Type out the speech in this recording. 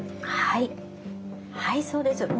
はいはいそうです。